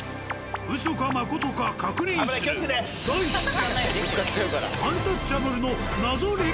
うそかまことか確認する題して。